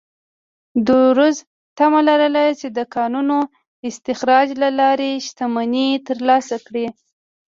رودز تمه لرله چې د کانونو استخراج له لارې شتمنۍ ترلاسه کړي.